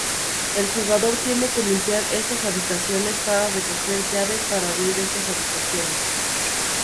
El jugador tiene que limpiar estas habitaciones para recoger llaves para abrir estas habitaciones.